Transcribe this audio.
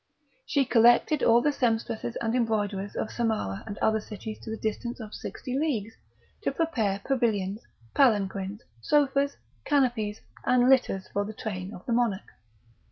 She collected all the sempstresses and embroiderers of Samarah and other cities to the distance of sixty leagues, to prepare pavilions, palanquins, sofas, canopies, and litters for the train of the monarch.